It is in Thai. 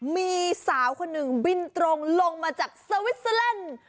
มีสาวคนหนึ่งบินตรงลงมาจากสวิสเตอร์แลนด์